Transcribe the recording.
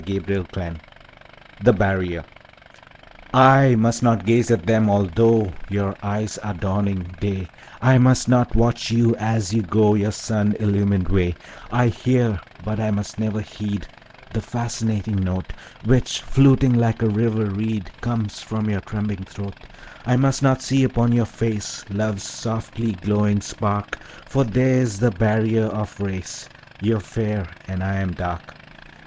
Claude McKay The Barrier I MUST not gaze at them although Your eyes are dawning day; I must not watch you as you go Your sun illumined way; I hear but I must never heed The fascinating note, Which, fluting like a river reed, Comes from your trembing throat; I must not see upon your face Love's softly glowing spark; For there's the barrier of race, You're fair and I am dark.